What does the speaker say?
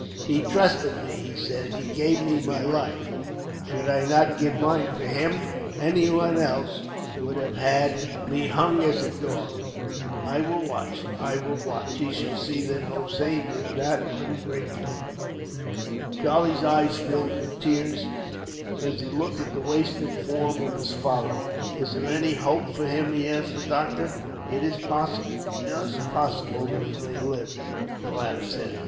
"He trusted me," he said. "He gave me my life. Should I not give mine for him? Anyone else would have had me hung as a dog. I will watch. I will watch. He shall see that Hossein is not ungrateful." Charlie's eyes filled with tears, as he looked at the wasted form of his follower. "Is there any hope for him?" he asked the doctor. "It is possible, just possible that he may live," the latter said.